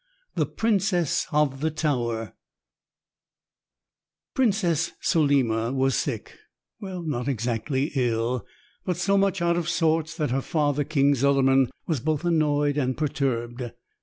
] The Princess of the Tower I Princess Solima was sick, not exactly ill, but so much out of sorts that her father, King Zuliman, was both annoyed and perturbed.